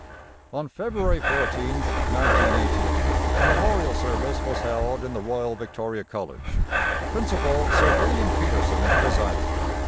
On February 14th, 1918, a Memorial Service was held in the Royal Victoria College. Principal Sir William Peterson presided.